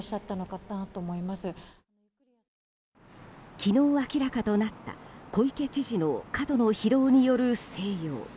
昨日明らかとなった小池知事の過度の疲労による静養。